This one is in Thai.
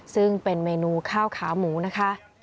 ซึ่งเป็นเมนูข้าวขาหมูนะคะ